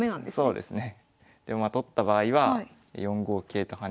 そうですね。